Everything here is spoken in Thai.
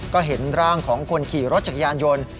ก็เห็นร่างของคนขี่รถจักรยานยนต์